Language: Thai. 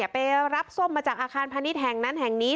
ไปรับส้มมาจากอาคารพาณิชย์แห่งนั้นแห่งนี้